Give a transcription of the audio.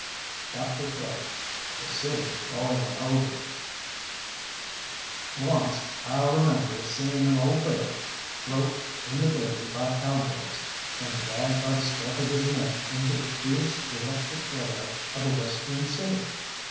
CHAPTER XII THE CITY BOILING OVER Once I remember seeing an old bear roped in the desert by cowboys, and dragged by the scruff of his neck into the fierce electric glare of a Western city.